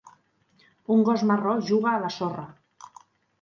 Un gos marró juga a la sorra.